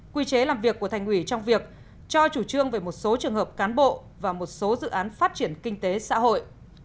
quy chế làm việc của thành ủy trong việc cho chủ trương về một số trường hợp cán bộ và một số dự án phát triển kinh tế xã hội